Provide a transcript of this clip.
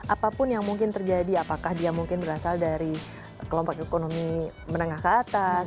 apapun yang mungkin terjadi apakah dia mungkin berasal dari kelompok ekonomi menengah ke atas